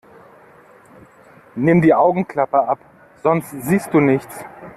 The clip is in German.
Nimm die Augenklappe ab, sonst siehst du nichts!